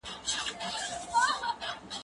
زه به سبا موبایل کاروم!؟